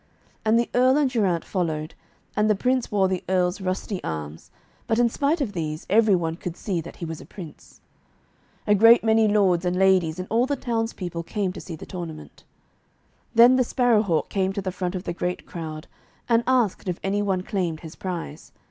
And the Earl and Geraint followed, and the Prince wore the Earl's rusty arms, but in spite of these, every one could see that he was a Prince. A great many lords and ladies and all the townspeople came to see the tournament. Then the Sparrow hawk came to the front of the great crowd, and asked if any one claimed his prize.